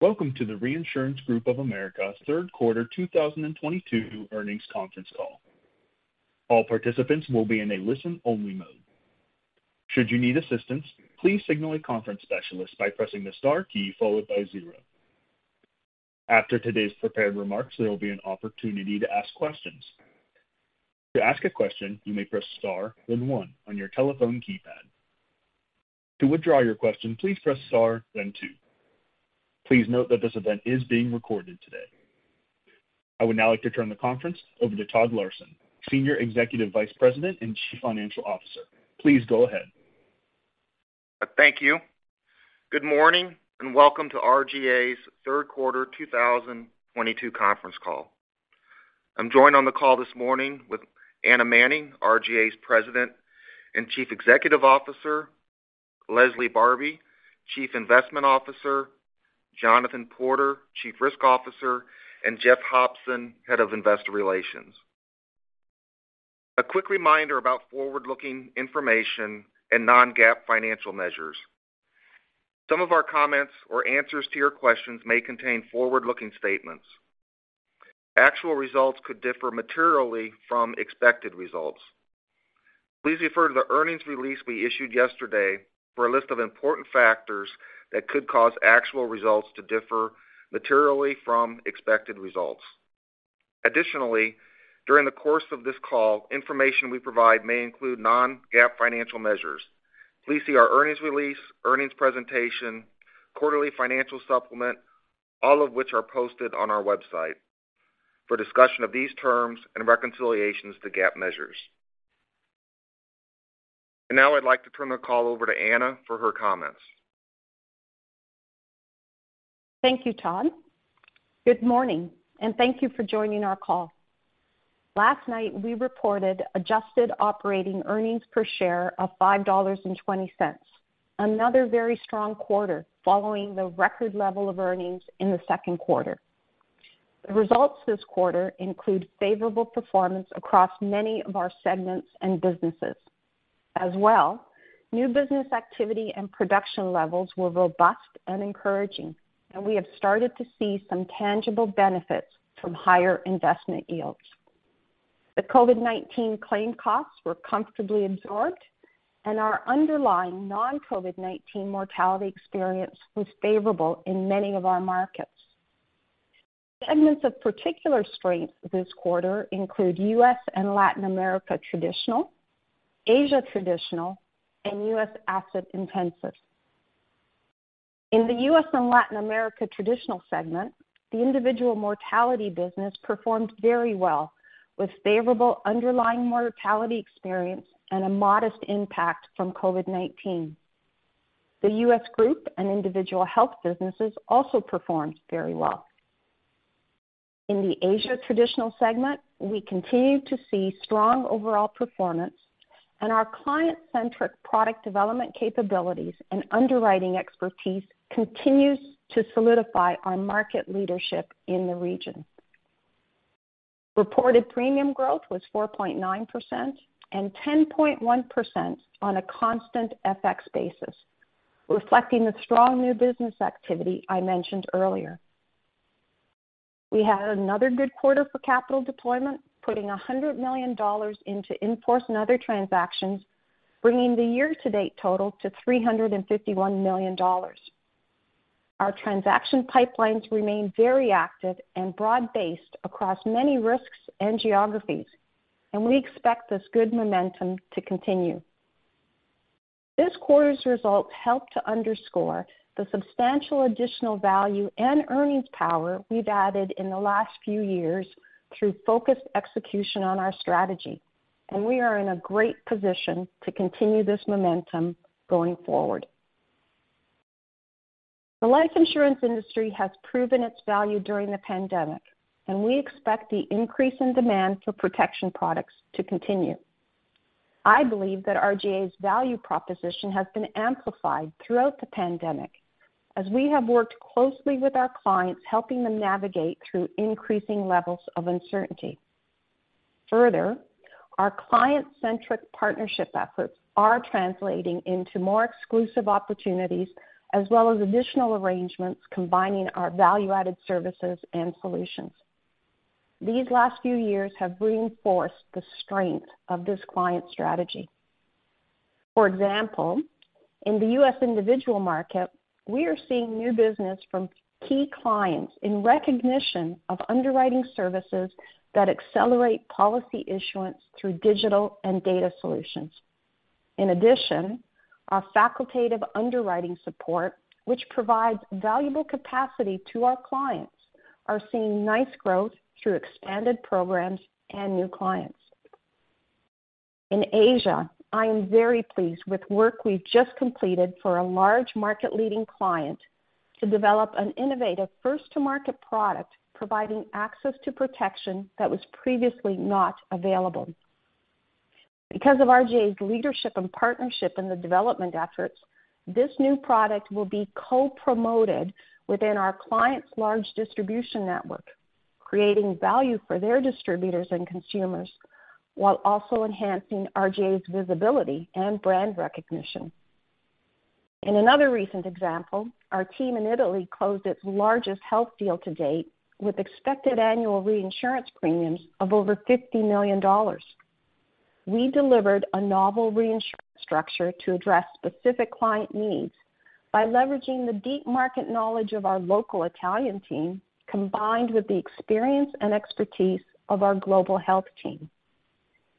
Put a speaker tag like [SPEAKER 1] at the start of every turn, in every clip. [SPEAKER 1] Welcome to the Reinsurance Group of America Third Quarter 2022 Earnings Conference Call. All participants will be in a listen-only mode. Should you need assistance, please signal a conference specialist by pressing the star key followed by zero. After today's prepared remarks, there'll be an opportunity to ask questions. To ask a question, you may press star then one on your telephone keypad. To withdraw your question, please press star then two. Please note that this event is being recorded today. I would now like to turn the conference over to Todd Larson, Senior Executive Vice President and Chief Financial Officer. Please go ahead.
[SPEAKER 2] Thank you. Good morning, and welcome to RGA's Third Quarter 2022 Conference Call. I'm joined on the call this morning with Anna Manning, RGA's President and Chief Executive Officer, Leslie Barbi, Chief Investment Officer, Jonathan Porter, Chief Risk Officer, and Jeff Hopson, Head of Investor Relations. A quick reminder about forward-looking information and non-GAAP financial measures. Some of our comments or answers to your questions may contain forward-looking statements. Actual results could differ materially from expected results. Please refer to the earnings release we issued yesterday for a list of important factors that could cause actual results to differ materially from expected results. Additionally, during the course of this call, information we provide may include non-GAAP financial measures. Please see our earnings release, earnings presentation, quarterly financial supplement, all of which are posted on our website, for discussion of these terms and reconciliations to GAAP measures. Now I'd like to turn the call over to Anna for her comments.
[SPEAKER 3] Thank you, Todd. Good morning, and thank you for joining our call. Last night, we reported adjusted operating earnings per share of $5.20. Another very strong quarter following the record level of earnings in the second quarter. The results this quarter include favorable performance across many of our segments and businesses. As well, new business activity and production levels were robust and encouraging, and we have started to see some tangible benefits from higher investment yields. The COVID-19 claim costs were comfortably absorbed, and our underlying non-COVID-19 mortality experience was favorable in many of our markets. Segments of particular strength this quarter include U.S. and Latin America Traditional, Asia Pacific Traditional, and U.S. Asset-Intensive. In the U.S. and Latin America Traditional segment, the individual mortality business performed very well with favorable underlying mortality experience and a modest impact from COVID-19. The U.S. Group and Individual Health businesses also performed very well. In the Asia Pacific Traditional segment, we continued to see strong overall performance, and our client-centric product development capabilities and underwriting expertise continues to solidify our market leadership in the region. Reported premium growth was 4.9% and 10.1% on a constant FX basis, reflecting the strong new business activity I mentioned earlier. We had another good quarter for capital deployment, putting $100 million into in-force and other transactions, bringing the year-to-date total to $351 million. Our transaction pipelines remain very active and broad-based across many risks and geographies, and we expect this good momentum to continue. This quarter's results help to underscore the substantial additional value and earnings power we've added in the last few years through focused execution on our strategy, and we are in a great position to continue this momentum going forward. The life insurance industry has proven its value during the pandemic, and we expect the increase in demand for protection products to continue. I believe that RGA's value proposition has been amplified throughout the pandemic as we have worked closely with our clients, helping them navigate through increasing levels of uncertainty. Further, our client-centric partnership efforts are translating into more exclusive opportunities as well as additional arrangements combining our value-added services and solutions. These last few years have reinforced the strength of this client strategy. For example, in the U.S. individual market, we are seeing new business from key clients in recognition of underwriting services that accelerate policy issuance through digital and data solutions. In addition, our facultative underwriting support, which provides valuable capacity to our clients, are seeing nice growth through expanded programs and new clients. In Asia, I am very pleased with work we've just completed for a large market-leading client to develop an innovative first-to-market product providing access to protection that was previously not available. Because of RGA's leadership and partnership in the development efforts, this new product will be co-promoted within our client's large distribution network. Creating value for their distributors and consumers, while also enhancing RGA's visibility and brand recognition. In another recent example, our team in Italy closed its largest health deal to date with expected annual reinsurance premiums of over $50 million. We delivered a novel reinsurance structure to address specific client needs by leveraging the deep market knowledge of our local Italian team, combined with the experience and expertise of our global health team.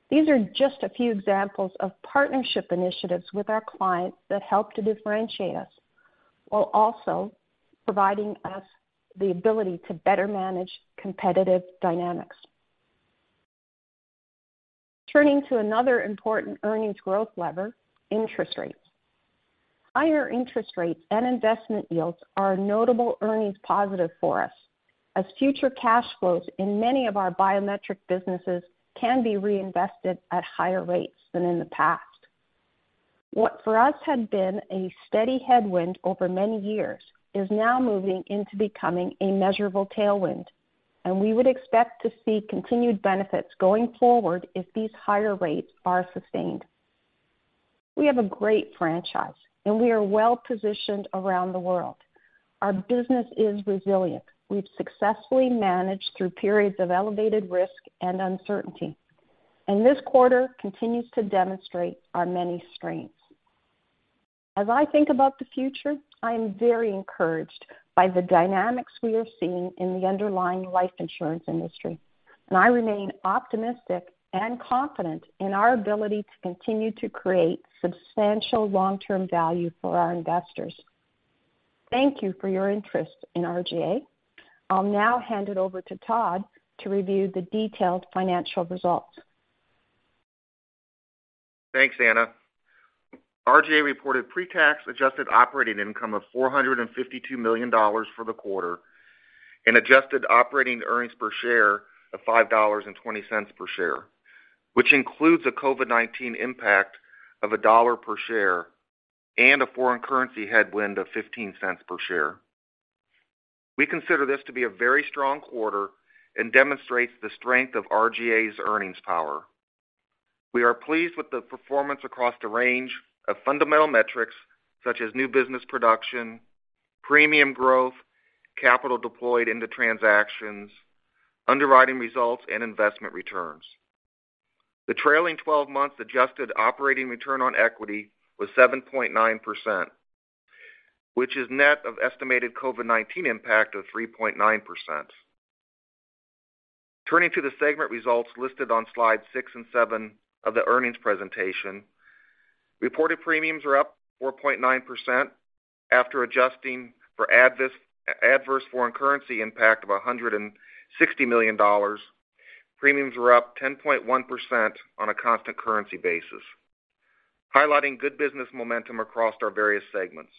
[SPEAKER 3] These are just a few examples of partnership initiatives with our clients that help to differentiate us, while also providing us the ability to better manage competitive dynamics. Turning to another important earnings growth lever, interest rates. Higher interest rates and investment yields are a notable earnings positive for us, as future cash flows in many of our biometric businesses can be reinvested at higher rates than in the past. What for us had been a steady headwind over many years is now moving into becoming a measurable tailwind, and we would expect to see continued benefits going forward if these higher rates are sustained. We have a great franchise, and we are well-positioned around the world. Our business is resilient. We've successfully managed through periods of elevated risk and uncertainty, and this quarter continues to demonstrate our many strengths. As I think about the future, I am very encouraged by the dynamics we are seeing in the underlying life insurance industry, and I remain optimistic and confident in our ability to continue to create substantial long-term value for our investors. Thank you for your interest in RGA. I'll now hand it over to Todd to review the detailed financial results.
[SPEAKER 2] Thanks, Anna. RGA reported pre-tax adjusted operating income of $452 million for the quarter and adjusted operating earnings per share of $5.20 per share, which includes a COVID-19 impact of $1 per share and a foreign currency headwind of $0.15 per share. We consider this to be a very strong quarter and demonstrates the strength of RGA's earnings power. We are pleased with the performance across the range of fundamental metrics such as new business production, premium growth, capital deployed into transactions, underwriting results, and investment returns. The trailing twelve months adjusted operating return on equity was 7.9%, which is net of estimated COVID-19 impact of 3.9%. Turning to the segment results listed on slide six and seven of the earnings presentation. Reported premiums were up 4.9% after adjusting for adverse foreign currency impact of $160 million. Premiums were up 10.1% on a constant currency basis, highlighting good business momentum across our various segments.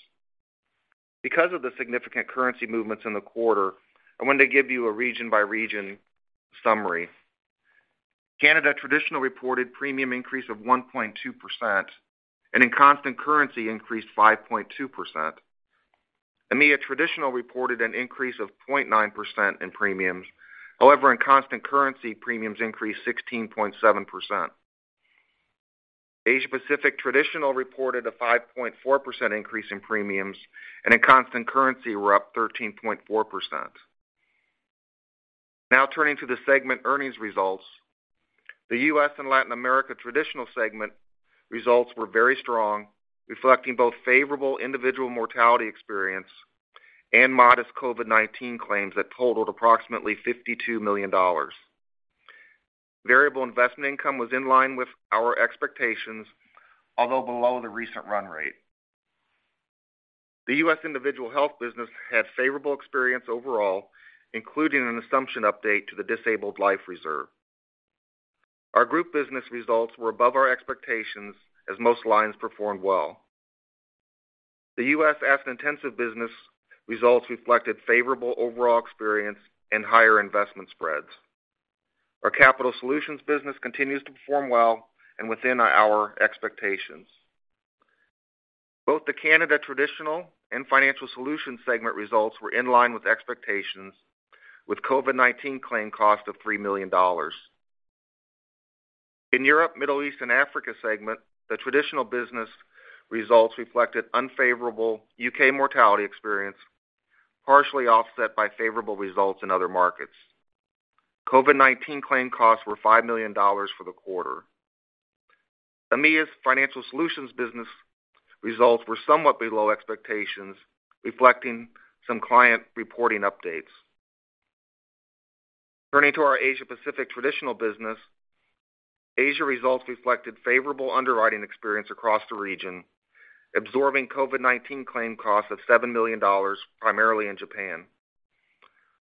[SPEAKER 2] Because of the significant currency movements in the quarter, I want to give you a region-by-region summary. Canada Traditional reported premium increase of 1.2%, and in constant currency increased 5.2%. EMEA Traditional reported an increase of 0.9% in premiums. However, in constant currency, premiums increased 16.7%. Asia Pacific Traditional reported a 5.4% increase in premiums, and in constant currency were up 13.4%. Now turning to the segment earnings results. The U.S. and Latin America Traditional segment results were very strong, reflecting both favorable individual mortality experience and modest COVID-19 claims that totaled approximately $52 million. Variable investment income was in line with our expectations, although below the recent run rate. The U.S. individual health business had favorable experience overall, including an assumption update to the Disabled Life Reserve. Our group business results were above our expectations as most lines performed well. The U.S. Asset-Intensive business results reflected favorable overall experience and higher investment spreads. Our Capital Solutions business continues to perform well and within our expectations. Both the Canada Traditional and Financial Solutions segment results were in line with expectations with COVID-19 claim cost of $3 million. In Europe, Middle East, and Africa segment, the Traditional business results reflected unfavorable U.K. mortality experience, partially offset by favorable results in other markets. COVID-19 claim costs were $5 million for the quarter. EMEA's Financial Solutions business results were somewhat below expectations, reflecting some client reporting updates. Turning to our Asia Pacific Traditional business. Asia results reflected favorable underwriting experience across the region, absorbing COVID-19 claim costs of $7 million, primarily in Japan.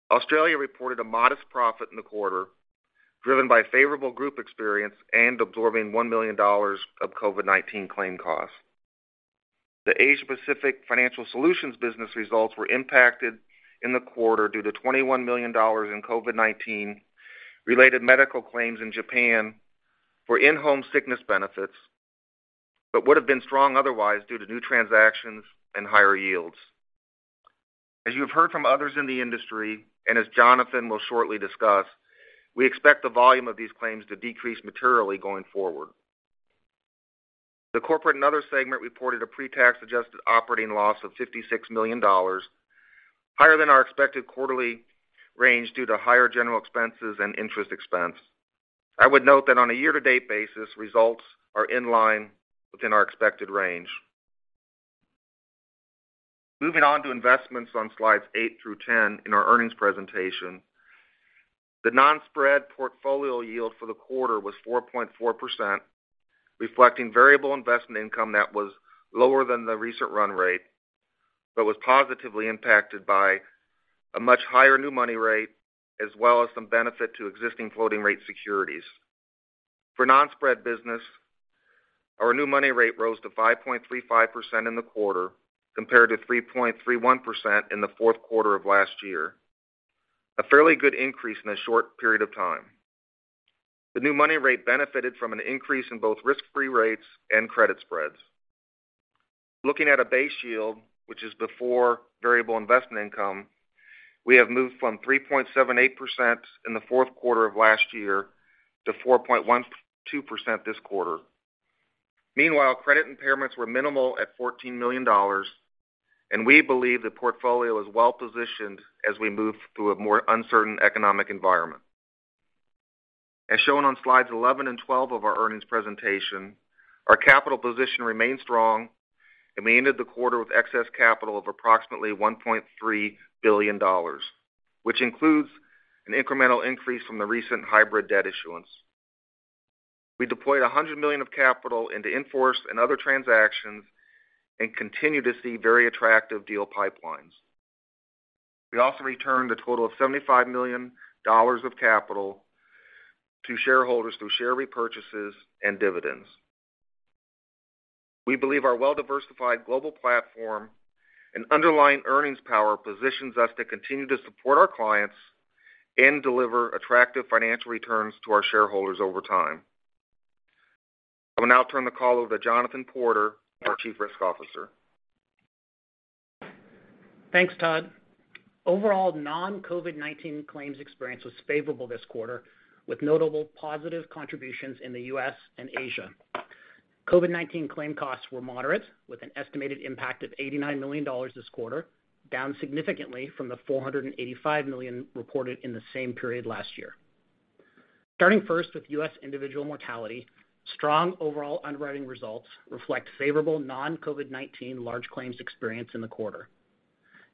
[SPEAKER 2] Australia reported a modest profit in the quarter, driven by favorable group experience and absorbing $1 million of COVID-19 claim costs. The Asia Pacific Financial Solutions business results were impacted in the quarter due to $21 million in COVID-19-related medical claims in Japan for in-home sickness benefits. Would have been strong otherwise due to new transactions and higher yields. As you have heard from others in the industry, and as Jonathan will shortly discuss, we expect the volume of these claims to decrease materially going forward. The corporate and other segment reported a pre-tax adjusted operating loss of $56 million, higher than our expected quarterly range due to higher general expenses and interest expense. I would note that on a year-to-date basis, results are in line within our expected range. Moving on to investments on slides eight through 10 in our earnings presentation. The non-spread portfolio yield for the quarter was 4.4%, reflecting variable investment income that was lower than the recent run rate, but was positively impacted by a much higher new money rate as well as some benefit to existing floating rate securities. For non-spread business, our new money rate rose to 5.35% in the quarter compared to 3.31% in the fourth quarter of last year. A fairly good increase in a short period of time. The new money rate benefited from an increase in both risk-free rates and credit spreads. Looking at a base yield, which is before variable investment income, we have moved from 3.78% in the fourth quarter of last year to 4.12% this quarter. Meanwhile, credit impairments were minimal at $14 million, and we believe the portfolio is well positioned as we move through a more uncertain economic environment. As shown on slides 11 and 12 of our earnings presentation, our capital position remains strong, and we ended the quarter with excess capital of approximately $1.3 billion, which includes an incremental increase from the recent hybrid debt issuance. We deployed $100 million of capital into in-force and other transactions and continue to see very attractive deal pipelines. We also returned a total of $75 million of capital to shareholders through share repurchases and dividends. We believe our well-diversified global platform and underlying earnings power positions us to continue to support our clients and deliver attractive financial returns to our shareholders over time. I will now turn the call over to Jonathan Porter, our Chief Risk Officer.
[SPEAKER 4] Thanks, Todd. Overall, non-COVID-19 claims experience was favorable this quarter, with notable positive contributions in the U.S. and Asia. COVID-19 claim costs were moderate, with an estimated impact of $89 million this quarter, down significantly from the $485 million reported in the same period last year. Starting first with U.S. individual mortality, strong overall underwriting results reflect favorable non-COVID-19 large claims experience in the quarter.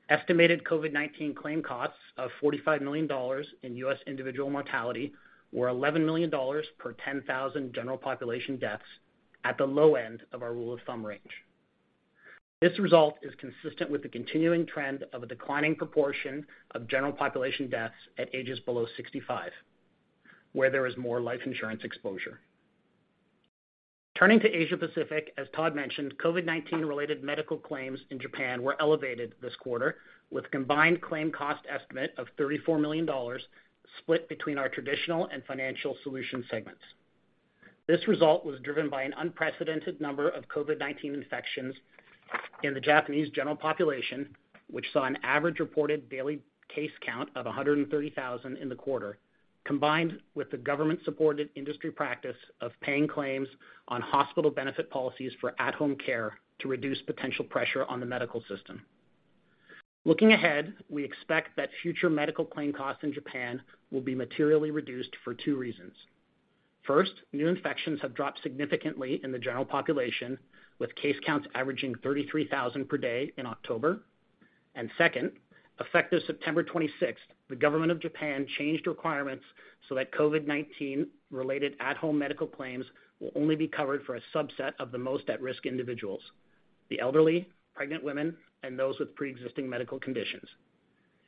[SPEAKER 4] Estimated COVID-19 claim costs of $45 million in U.S. individual mortality were $11 million per 10,000 general population deaths at the low end of our rule of thumb range. This result is consistent with the continuing trend of a declining proportion of general population deaths at ages below 65, where there is more life insurance exposure. Turning to Asia Pacific, as Todd mentioned, COVID-19 related medical claims in Japan were elevated this quarter with combined claim cost estimate of $34 million split between our Traditional and Financial Solutions segments. This result was driven by an unprecedented number of COVID-19 infections in the Japanese general population, which saw an average reported daily case count of 130,000 in the quarter, combined with the government-supported industry practice of paying claims on hospital benefit policies for at-home care to reduce potential pressure on the medical system. Looking ahead, we expect that future medical claim costs in Japan will be materially reduced for two reasons. First, new infections have dropped significantly in the general population, with case counts averaging 33,000 per day in October. Second, effective September 26, the government of Japan changed requirements so that COVID-19 related at-home medical claims will only be covered for a subset of the most at-risk individuals, the elderly, pregnant women, and those with pre-existing medical conditions.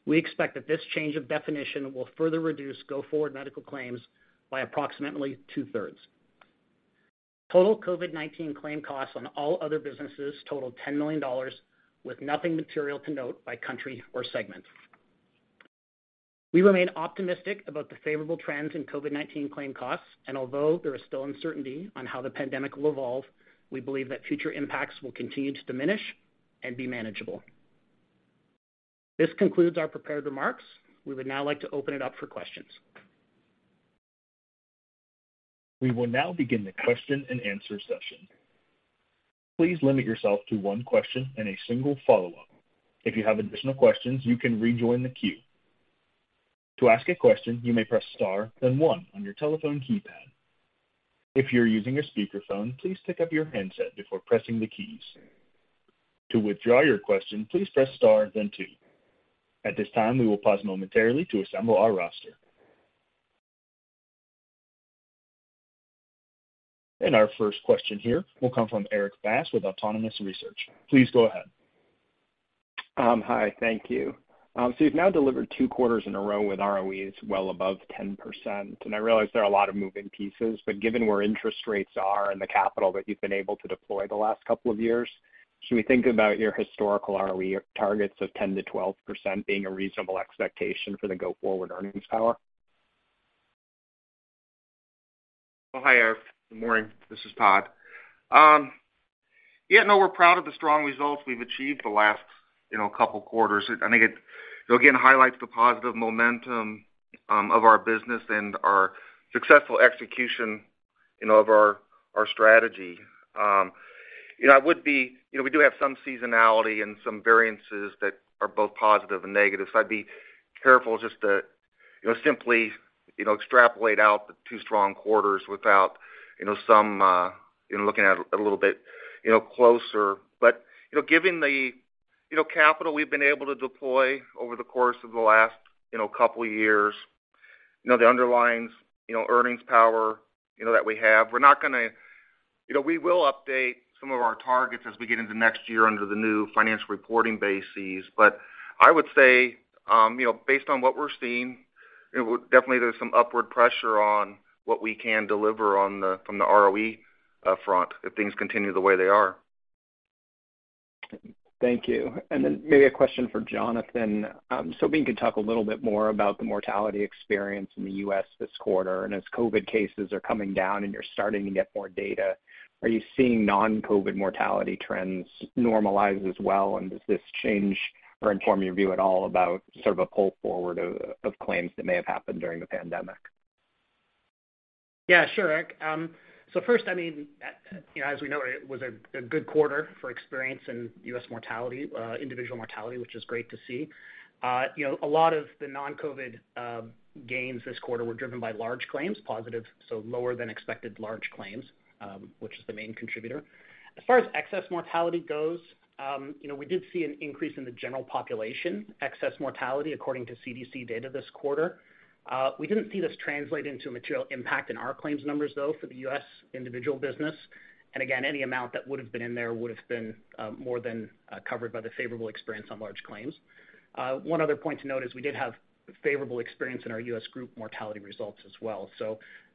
[SPEAKER 4] We expect that this change of definition will further reduce go forward medical claims by approximately 2/3. Total COVID-19 claim costs on all other businesses totaled $10 million, with nothing material to note by country or segment. We remain optimistic about the favorable trends in COVID-19 claim costs, and although there is still uncertainty on how the pandemic will evolve, we believe that future impacts will continue to diminish and be manageable. This concludes our prepared remarks. We would now like to open it up for questions.
[SPEAKER 1] We will now begin the question and answer session. Please limit yourself to one question and a single follow-up. If you have additional questions, you can rejoin the queue. To ask a question, you may press star, then one on your telephone keypad. If you're using a speakerphone, please pick up your handset before pressing the keys. To withdraw your question, please press star, then two. At this time, we will pause momentarily to assemble our roster. Our first question here will come from Erik Bass with Autonomous Research. Please go ahead.
[SPEAKER 5] Hi, thank you. You've now delivered two quarters in a row with ROEs well above 10%, and I realize there are a lot of moving pieces, but given where interest rates are and the capital that you've been able to deploy the last couple of years, should we think about your historical ROE targets of 10%-12% being a reasonable expectation for the go-forward earnings power?
[SPEAKER 2] Oh, hi, Erik. Good morning. This is Todd. Yeah, no, we're proud of the strong results we've achieved the last, you know, couple quarters. I think it, again, highlights the positive momentum of our business and our successful execution, you know, of our strategy. You know, we do have some seasonality and some variances that are both positive and negative, so I'd be careful just to, you know, simply, you know, extrapolate out the two strong quarters without, you know, some you know, looking at it a little bit, you know, closer. You know, given the, you know, capital we've been able to deploy over the course of the last, you know, couple years, you know, the underlying, you know, earnings power, you know, that we have, we're not gonna. You know, we will update some of our targets as we get into next year under the new financial reporting basis. I would say, you know, based on what we're seeing, definitely there's some upward pressure on what we can deliver on the ROE front if things continue the way they are.
[SPEAKER 5] Thank you. Then maybe a question for Jonathan. If you could talk a little bit more about the mortality experience in the U.S. this quarter, and as COVID cases are coming down, and you're starting to get more data, are you seeing non-COVID mortality trends normalize as well? Does this change or inform your view at all about sort of a pull forward of claims that may have happened during the pandemic?
[SPEAKER 4] Yeah, sure, Eric. First, I mean, you know, as we know, it was a good quarter for experience in U.S. mortality, individual mortality, which is great to see. You know, a lot of the non-COVID gains this quarter were driven by large claims, positive, so lower than expected large claims, which is the main contributor. As far as excess mortality goes, you know, we did see an increase in the general population excess mortality according to CDC data this quarter. We didn't see this translate into a material impact in our claims numbers, though, for the U.S. individual business. Again, any amount that would've been in there would've been more than covered by the favorable experience on large claims. One other point to note is we did have favorable experience in our U.S. Group mortality results as well.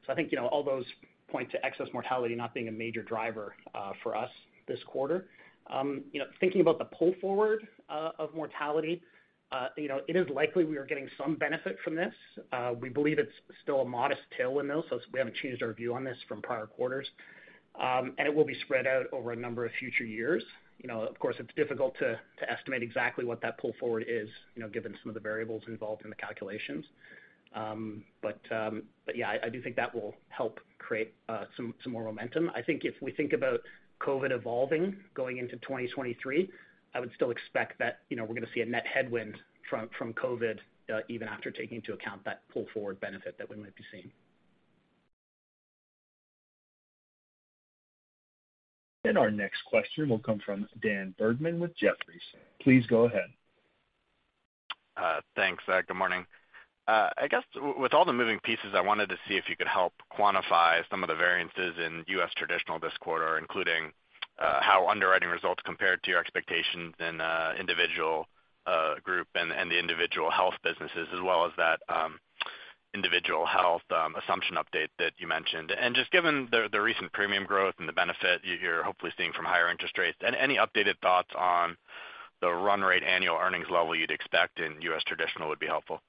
[SPEAKER 4] I think, you know, all those point to excess mortality not being a major driver for us this quarter. You know, thinking about the pull forward of mortality, you know, it is likely we are getting some benefit from this. We believe it's still a modest tailwind, though, so we haven't changed our view on this from prior quarters. It will be spread out over a number of future years. You know, of course, it's difficult to estimate exactly what that pull forward is, you know, given some of the variables involved in the calculations. Yeah, I do think that will help create some more momentum. I think if we think about COVID evolving going into 2023, I would still expect that, you know, we're going to see a net headwind from COVID even after taking into account that pull forward benefit that we might be seeing.
[SPEAKER 1] Our next question will come from Dan Bergman with Jefferies. Please go ahead.
[SPEAKER 6] Thanks, Zach. Good morning. I guess with all the moving pieces, I wanted to see if you could help quantify some of the variances in U.S. traditional this quarter, including how underwriting results compared to your expectations in individual, group and the individual health businesses, as well as that individual health assumption update that you mentioned. Just given the recent premium growth and the benefit you're hopefully seeing from higher interest rates, any updated thoughts on the run rate annual earnings level you'd expect in U.S. traditional would be helpful.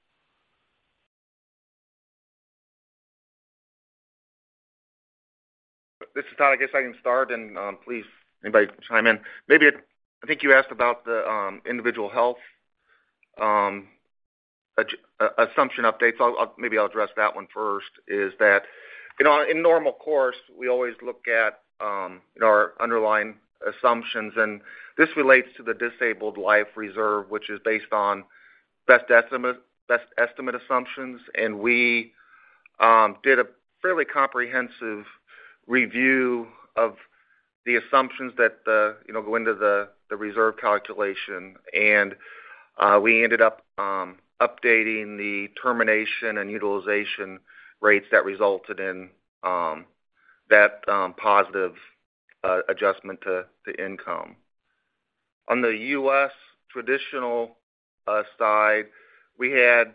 [SPEAKER 2] This is Todd. I guess I can start, and please anybody chime in. Maybe I think you asked about the individual health assumption updates. I'll address that one first, is that you know in normal course we always look at you know our underlying assumptions, and this relates to the Disabled Life Reserve, which is based on best estimate assumptions. We did a fairly comprehensive review of the assumptions that you know go into the reserve calculation. We ended up updating the termination and utilization rates that resulted in that positive adjustment to income. On the U.S. traditional side, we had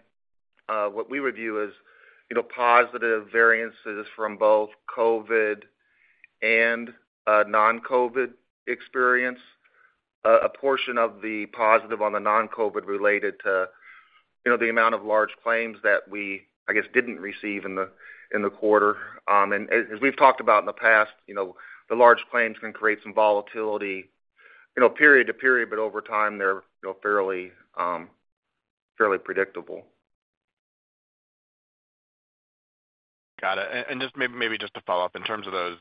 [SPEAKER 2] what we review as you know positive variances from both COVID and non-COVID experience. A portion of the positive on the non-COVID related to, you know, the amount of large claims that we, I guess, didn't receive in the quarter. As we've talked about in the past, you know, the large claims can create some volatility, you know, period to period, but over time, they're, you know, fairly predictable.
[SPEAKER 6] Got it. Just maybe just to follow up, in terms of those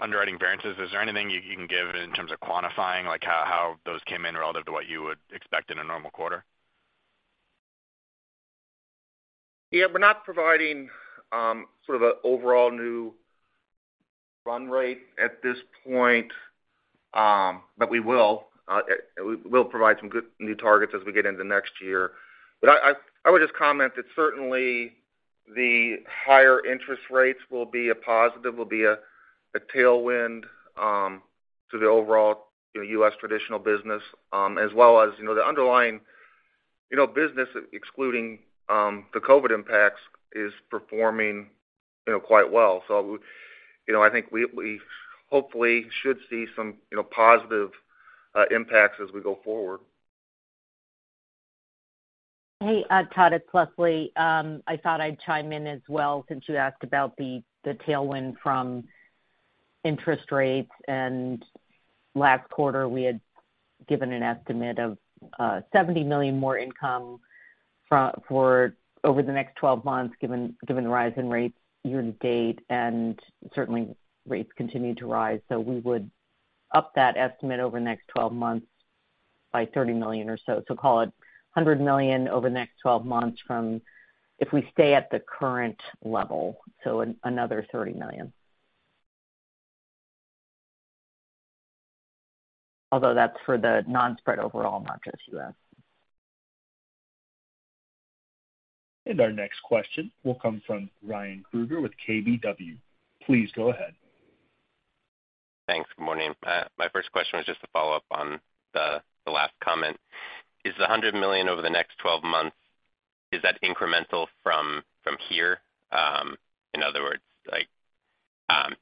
[SPEAKER 6] underwriting variances, is there anything you can give in terms of quantifying, like how those came in relative to what you would expect in a normal quarter?
[SPEAKER 2] Yeah. We're not providing sort of an overall new run rate at this point, but we will provide some good new targets as we get into next year. I would just comment that certainly the higher interest rates will be a positive tailwind to the overall, you know, U.S. traditional business, as well as, you know, the underlying, you know, business excluding the COVID impacts is performing, you know, quite well. I think we hopefully should see some, you know, positive impacts as we go forward.
[SPEAKER 7] Hey, it's Leslie. I thought I'd chime in as well since you asked about the tailwind from interest rates. Last quarter, we had given an estimate of $70 million more income for over the next 12 months, given the rise in rates year to date, and certainly rates continue to rise. We would up that estimate over the next 12 months by $30 million or so. Call it $100 million over the next 12 months from if we stay at the current level, so another $30 million. Although that's for the non-spread overall, not just U.S.
[SPEAKER 1] Our next question will come from Ryan Krueger with KBW. Please go ahead.
[SPEAKER 8] Thanks. Good morning. My first question was just a follow-up on the last comment. Is the $100 million over the next 12 months incremental from here? In other words, like,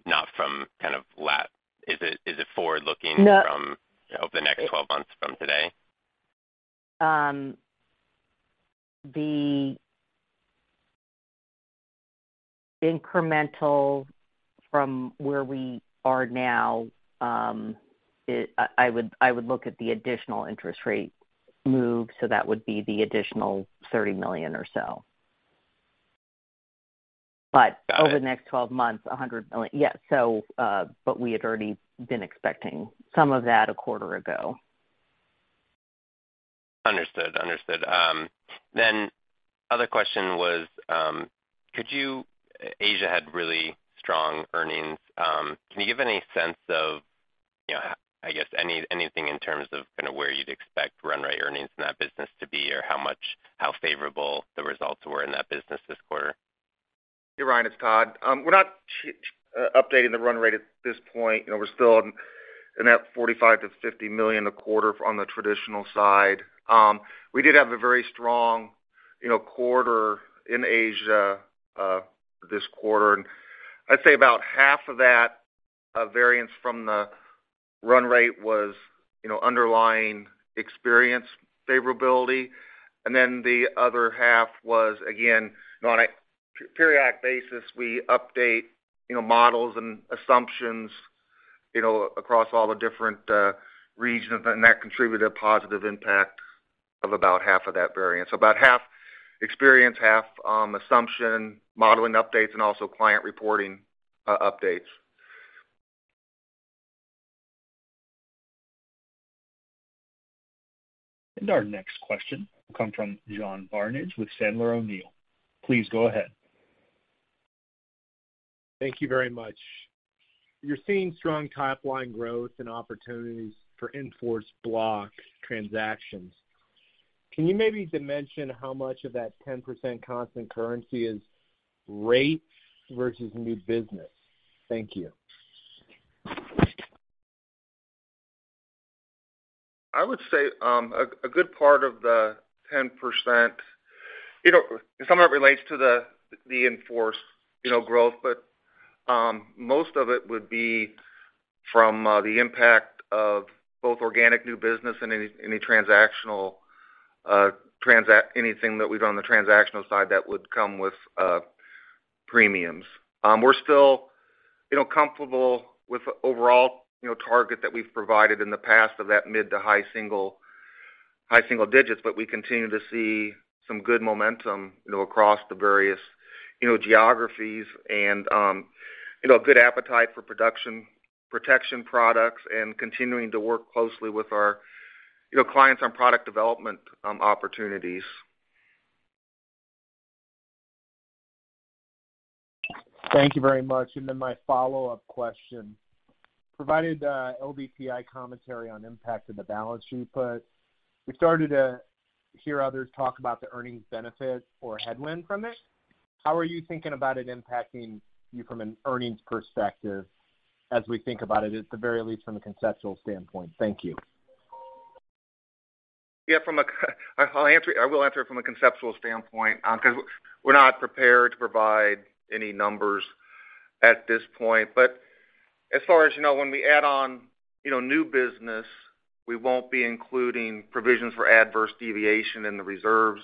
[SPEAKER 8] not from kind of last. Is it forward looking?
[SPEAKER 7] No.
[SPEAKER 8] From, you know, over the next 12 months from today?
[SPEAKER 7] The incremental from where we are now, I would look at the additional interest rate move, so that would be the additional $30 million or so.
[SPEAKER 8] Got it.
[SPEAKER 7] Over the next twelve months, $100 million. Yeah. But we had already been expecting some of that a quarter ago.
[SPEAKER 8] Understood. Other question was, Asia had really strong earnings. Can you give any sense of, you know, I guess, anything in terms of kind of where you'd expect run rate earnings in that business to be or how much, how favorable the results were in that business this quarter?
[SPEAKER 2] Hey, Ryan, it's Todd. We're not updating the run rate at this point. You know, we're still in that $45-$50 million a quarter on the traditional side. We did have a very strong, you know, quarter in Asia this quarter. I'd say about half of that variance from the run rate was, you know, underlying experience favorability. Then the other half was, again, you know, on a periodic basis, we update, you know, models and assumptions, you know, across all the different regions, and that contributed a positive impact of about half of that variance. About half experience, half assumption, modeling updates, and also client reporting updates.
[SPEAKER 1] Our next question will come from John Barnidge with Piper Sandler. Please go ahead.
[SPEAKER 9] Thank you very much. You're seeing strong top line growth and opportunities for in-force block transactions. Can you maybe dimension how much of that 10% constant currency is rates versus new business? Thank you.
[SPEAKER 2] I would say a good part of the 10%, you know, some of it relates to the in-force, you know, growth, but most of it would be from the impact of both organic new business and any transactional anything that we've done on the transactional side that would come with premiums. We're still, you know, comfortable with the overall, you know, target that we've provided in the past of that mid to high single, high single digits, but we continue to see some good momentum, you know, across the various, you know, geographies and, you know, good appetite for production, protection products and continuing to work closely with our, you know, clients on product development opportunities.
[SPEAKER 9] Thank you very much. My follow-up question. Provided LDTI commentary on impact in the balance sheet, but we started to hear others talk about the earnings benefit or headwind from it. How are you thinking about it impacting you from an earnings perspective as we think about it, at the very least, from a conceptual standpoint? Thank you.
[SPEAKER 2] Yeah, I'll answer it from a conceptual standpoint, because we're not prepared to provide any numbers at this point. As far as you know, when we add on, you know, new business, we won't be including provisions for adverse deviation in the reserves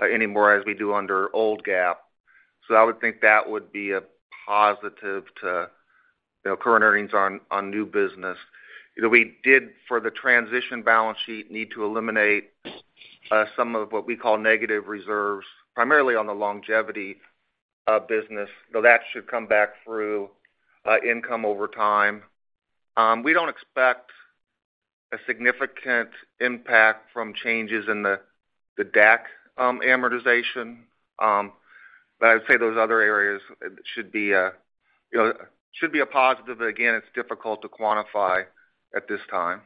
[SPEAKER 2] anymore as we do under old GAAP. I would think that would be a positive to, you know, current earnings on new business. You know, we did, for the transition balance sheet, need to eliminate some of what we call negative reserves, primarily on the longevity business, though that should come back through income over time. We don't expect a significant impact from changes in the DAC amortization. But I'd say those other areas should be a positive. Again, it's difficult to quantify at this time.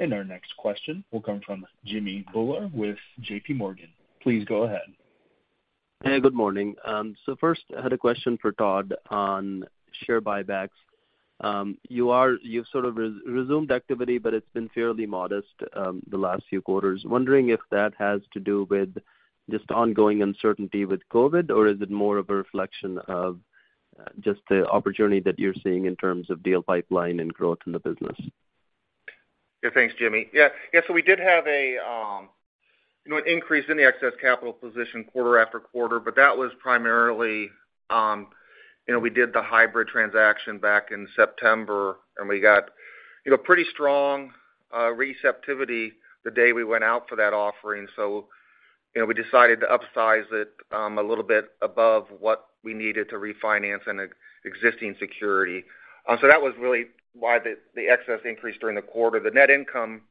[SPEAKER 1] Our next question will come from Jimmy Bhullar with JPMorgan. Please go ahead.
[SPEAKER 10] Hey, good morning. First I had a question for Todd on share buybacks. You've sort of resumed activity, but it's been fairly modest, the last few quarters. Wondering if that has to do with just ongoing uncertainty with COVID, or is it more of a reflection of just the opportunity that you're seeing in terms of deal pipeline and growth in the business?
[SPEAKER 2] Yeah, thanks, Jimmy. Yeah, we did have a, you know, an increase in the excess capital position quarter after quarter, but that was primarily, you know, we did the hybrid transaction back in September, and we got, you know, pretty strong receptivity the day we went out for that offering. You know, we decided to upsize it, a little bit above what we needed to refinance an existing security. That was really why the excess increased during the quarter. The net income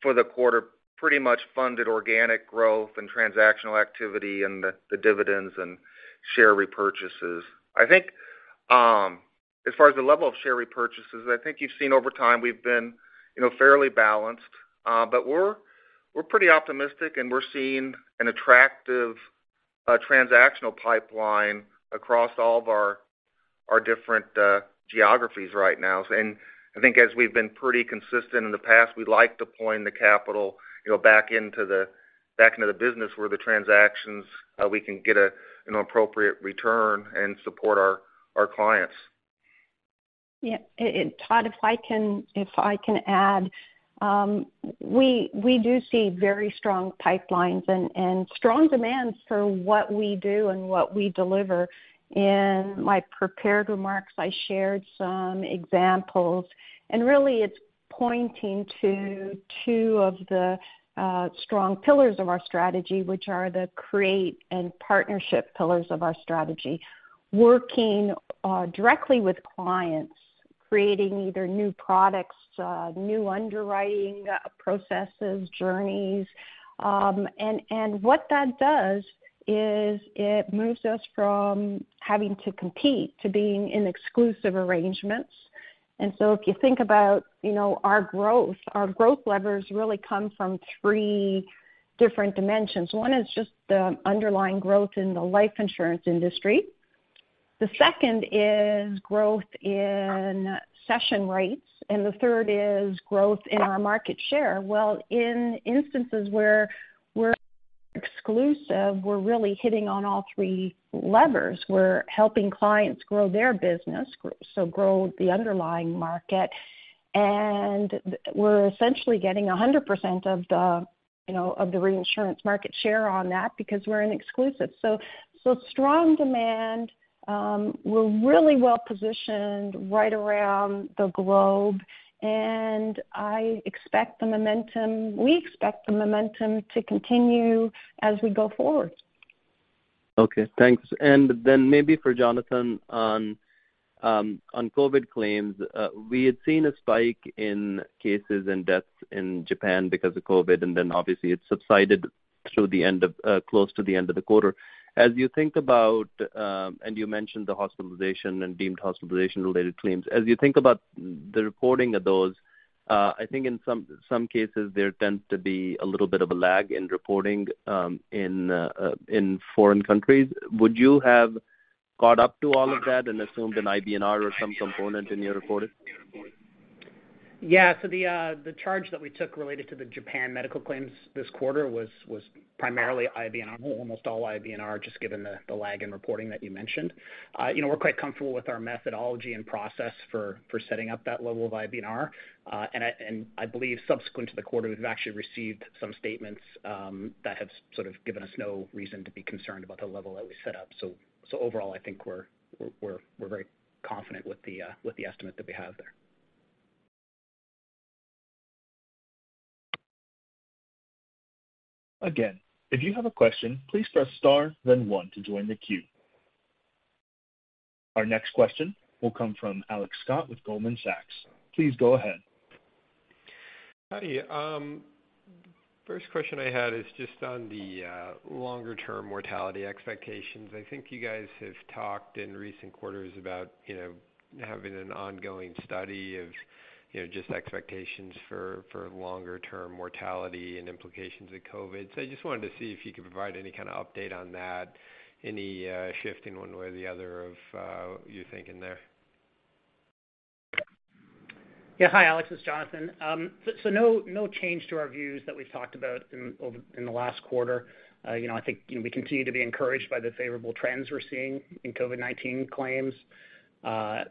[SPEAKER 2] for the quarter pretty much funded organic growth and transactional activity and the dividends and share repurchases. I think as far as the level of share repurchases, I think you've seen over time we've been, you know, fairly balanced, but we're pretty optimistic, and we're seeing an attractive transactional pipeline across all of our different geographies right now. I think as we've been pretty consistent in the past, we like deploying the capital, you know, back into the business where the transactions we can get an appropriate return and support our clients.
[SPEAKER 3] Yeah. And Todd, if I can add, we do see very strong pipelines and strong demands for what we do and what we deliver. In my prepared remarks, I shared some examples, and really it's pointing to two of the strong pillars of our strategy, which are the create and partnership pillars of our strategy. Working directly with clients, creating either new products, new underwriting processes, journeys. And what that does is it moves us from having to compete to being in exclusive arrangements. If you think about, you know, our growth levers really come from three different dimensions. One is just the underlying growth in the life insurance industry. The second is growth in cession rates, and the third is growth in our market share. Well, in instances where we're exclusive, we're really hitting on all three levers. We're helping clients grow their business, so grow the underlying market, and we're essentially getting 100% of the, you know, of the reinsurance market share on that because we're an exclusive. Strong demand. We're really well positioned right around the globe, and we expect the momentum to continue as we go forward.
[SPEAKER 10] Okay, thanks. Maybe for Jonathan on COVID claims. We had seen a spike in cases and deaths in Japan because of COVID, and then obviously it subsided through the end of close to the end of the quarter. As you think about and you mentioned the hospitalization and deemed hospitalization-related claims, as you think about the reporting of those, I think in some cases there tends to be a little bit of a lag in reporting in foreign countries. Would you have caught up to all of that and assumed an IBNR or some component in your reporting?
[SPEAKER 4] Yeah. The charge that we took related to the Japan medical claims this quarter was primarily IBNR, almost all IBNR, just given the lag in reporting that you mentioned. You know, we're quite comfortable with our methodology and process for setting up that level of IBNR. I believe subsequent to the quarter; we've actually received some statements that have sort of given us no reason to be concerned about the level that we set up. Overall, I think we're very confident with the estimate that we have there.
[SPEAKER 1] Again, if you have a question, please press star, then one to join the queue. Our next question will come from Alex Scott with Goldman Sachs. Please go ahead.
[SPEAKER 11] Hi. First question I had is just on the longer-term mortality expectations. I think you guys have talked in recent quarters about, you know, having an ongoing study of, you know, just expectations for longer term mortality and implications of COVID. I just wanted to see if you could provide any kind of update on that, any shift in one way or the other of your thinking there.
[SPEAKER 4] Yeah. Hi, Alex. It's Jonathan. No change to our views that we've talked about in the last quarter. You know, I think, you know, we continue to be encouraged by the favorable trends we're seeing in COVID-19 claims,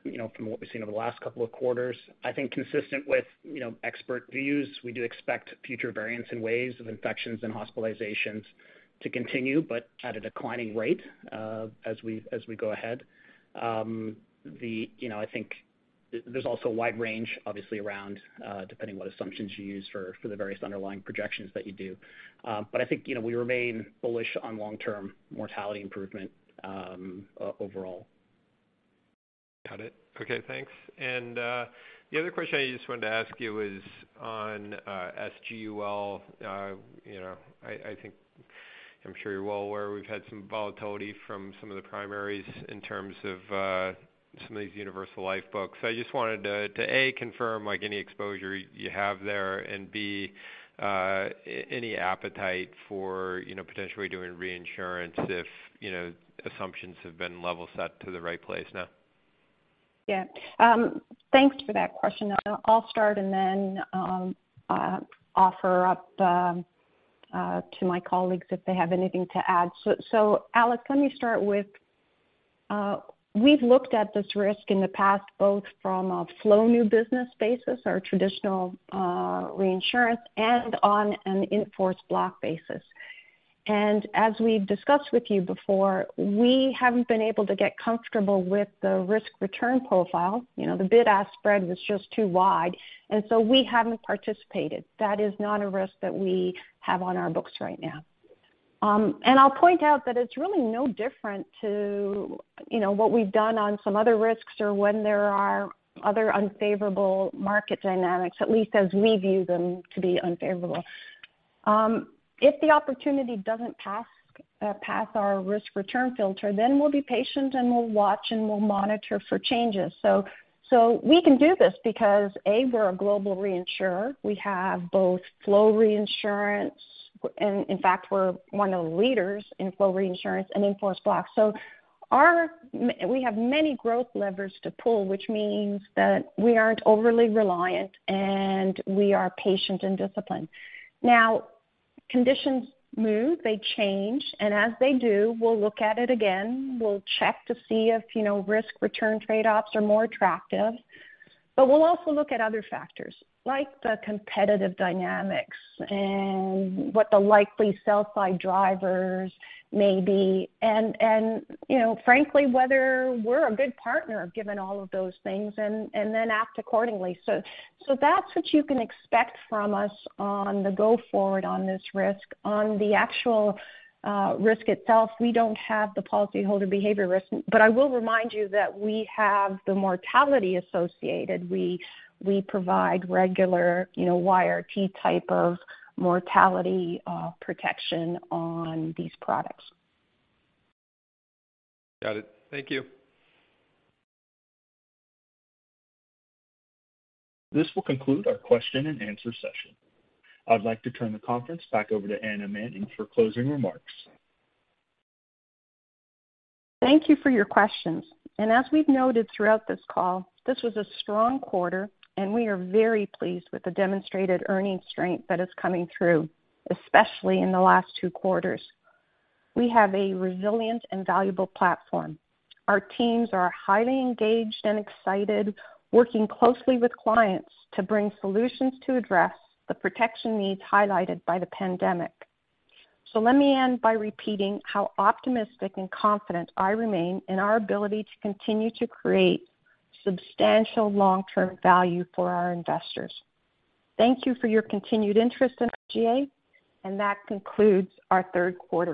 [SPEAKER 4] you know, from what we've seen over the last couple of quarters. I think consistent with, you know, expert views, we do expect future variants and waves of infections and hospitalizations to continue, but at a declining rate, as we go ahead. You know, I think there's also a wide range obviously around, depending what assumptions you use for the various underlying projections that you do. I think, you know, we remain bullish on long-term mortality improvement, overall.
[SPEAKER 11] Got it. Okay, thanks. The other question I just wanted to ask you was on SGUL. You know, I think I'm sure you're well aware we've had some volatility from some of the primaries in terms of some of these universal life books. I just wanted to A, confirm like any exposure you have there, and B, any appetite for, you know, potentially doing reinsurance if, you know, assumptions have been level set to the right place now.
[SPEAKER 3] Yeah. Thanks for that question. I'll start and then offer up to my colleagues if they have anything to add. Alex, let me start with. We've looked at this risk in the past, both from a flow new business basis, our traditional reinsurance, and on an in-force block basis. As we've discussed with you before, we haven't been able to get comfortable with the risk-return profile. You know, the bid-ask spread was just too wide, and so we haven't participated. That is not a risk that we have on our books right now. I'll point out that it's really no different to, you know, what we've done on some other risks or when there are other unfavorable market dynamics, at least as we view them to be unfavorable. If the opportunity doesn't pass our risk-return filter, then we'll be patient and we'll watch and we'll monitor for changes. We can do this because, A, we're a global reinsurer. We have both flow reinsurance, and in fact, we're one of the leaders in flow reinsurance and in-force blocks. We have many growth levers to pull, which means that we aren't overly reliant, and we are patient and disciplined. Now, conditions move, they change, and as they do, we'll look at it again. We'll check to see if, you know, risk-return trade-offs are more attractive. We'll also look at other factors like the competitive dynamics and what the likely sell-side drivers may be, and you know, frankly, whether we're a good partner, given all of those things, and then act accordingly. That's what you can expect from us on the go forward on this risk. On the actual risk itself, we don't have the policyholder behavior risk. I will remind you that we have the mortality associated. We provide regular, you know, YRT type of mortality protection on these products.
[SPEAKER 11] Got it. Thank you.
[SPEAKER 1] This will conclude our question-and-answer session. I'd like to turn the conference back over to Anna Manning for closing remarks.
[SPEAKER 3] Thank you for your questions. As we've noted throughout this call, this was a strong quarter, and we are very pleased with the demonstrated earnings strength that is coming through, especially in the last two quarters. We have a resilient and valuable platform. Our teams are highly engaged and excited, working closely with clients to bring solutions to address the protection needs highlighted by the pandemic. Let me end by repeating how optimistic and confident I remain in our ability to continue to create substantial long-term value for our investors. Thank you for your continued interest in RGA, and that concludes our third quarter call.